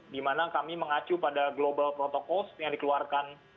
dimana kami mengacu pada global protokol yang dikeluarkan